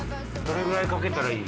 どれぐらいかけたらいい？